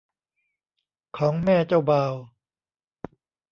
ของแม่เจ้าบ่าว